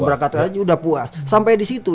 berangkatkan aja sudah puas sampai disitu